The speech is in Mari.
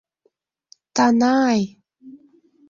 Танай!